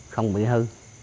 không bị hư